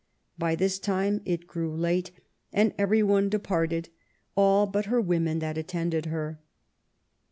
By this time it g^ew late, and every one departed, all but her women that attended her."